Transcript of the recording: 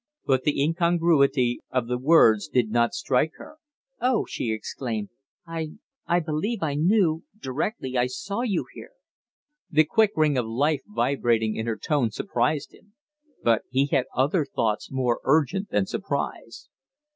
But the incongruity of the words did not strike her. "Oh!" she exclaimed, "I I believe I knew, directly I saw you here." The quick ring of life vibrating in her tone surprised him. But he had other thoughts more urgent than surprise.